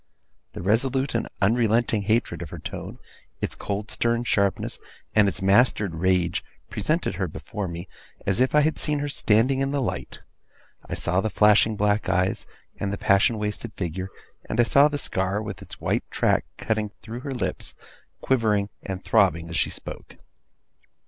The resolute and unrelenting hatred of her tone, its cold stern sharpness, and its mastered rage, presented her before me, as if I had seen her standing in the light. I saw the flashing black eyes, and the passion wasted figure; and I saw the scar, with its white track cutting through her lips, quivering and throbbing as she spoke.